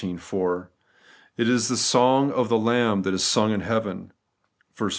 It is the song of the Lamb that is sung in heaven (xv. 3).